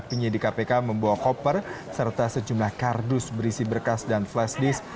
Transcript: penyidik kpk membawa koper serta sejumlah kardus berisi berkas dan flash disk